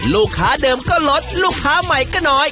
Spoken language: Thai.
ลูกค้าเดิมก็ลดลูกค้าใหม่ก็น้อย